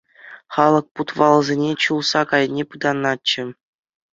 Халӑх путвалсене, чул сак айне пытанатчӗ.